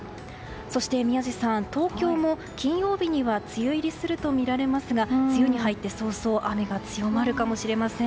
そして宮司さん東京も金曜日には梅雨入りするとみられますが梅雨に入って早々雨が強まるかもしれません。